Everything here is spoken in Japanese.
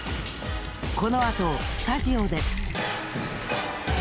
このあとスタジオで！